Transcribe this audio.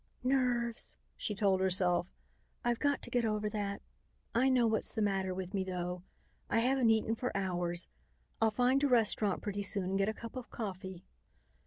"Nerves," she told herself. "I've got to get over that. I know what's the matter with me though; I haven't eaten for hours. I'll find a restaurant pretty soon and get a cup of coffee."